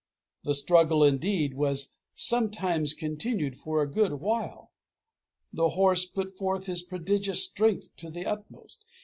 The struggle, indeed, was sometimes continued for a good while. The horse put forth his prodigious strength to the utmost.